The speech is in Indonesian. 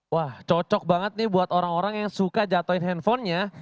wah cocok banget nih buat orang orang yang suka jatuhin handphonenya